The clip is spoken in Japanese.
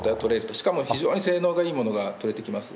しかも非常に性能のいいものが採れてきます。